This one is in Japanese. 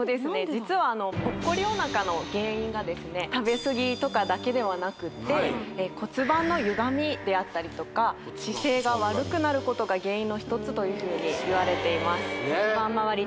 実はあのぽっこりおなかの原因がですね食べ過ぎとかだけではなくて骨盤の歪みであったりとか姿勢が悪くなることが原因の一つというふうにいわれています